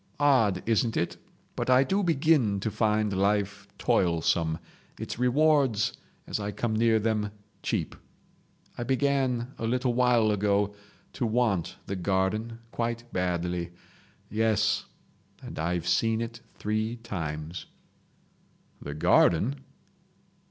Odd, isn't it? But I do begin to find life toilsome, its rewards, as I come near them, cheap. I began a little while ago to want the garden quite badly. Yes—and I've seen it three times." "The garden?"